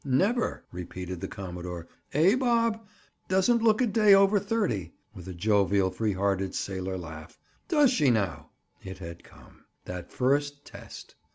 "Never!" repeated the commodore. "Eh, Bob? Doesn't look a day over thirty," with a jovial, freehearted sailor laugh. "Does she now?" It had come. That first test!